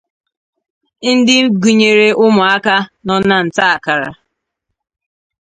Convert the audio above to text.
ndị gụnyere ụmụaka nọ na ntaakara.